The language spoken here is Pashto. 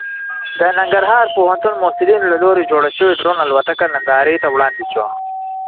د ننګرهار پوهنتون محصلینو له لوري جوړه شوې ډرون الوتکه نندارې ته وړاندې شوه.